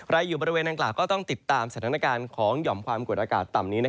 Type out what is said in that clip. อยู่บริเวณดังกล่าวก็ต้องติดตามสถานการณ์ของหย่อมความกดอากาศต่ำนี้